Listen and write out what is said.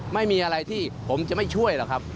ไม่มีอะไรที่ผมจะไม่ช่วยหรอกครับ